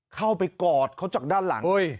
ได้หรอ